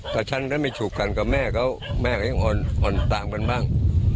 กับฉันก็ไม่ถูกกันกับแม่ก็แม่ก็ยังอ่อนต่างกันบ้าง